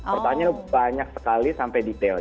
pertanyaannya banyak sekali sampai detail